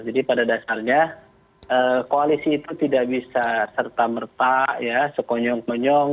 jadi pada dasarnya koalisi itu tidak bisa serta merta sekonyong konyong